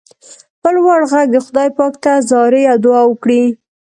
په لوړ غږ دې خدای پاک ته زارۍ او دعا وکړئ.